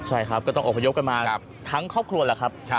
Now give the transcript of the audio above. ใช่ครับก็ต้องอบพยพกันมาทั้งครอบครัวแหละครับ